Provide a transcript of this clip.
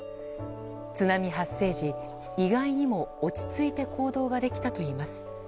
津波発生時、意外にも落ち着いて行動ができたといいます。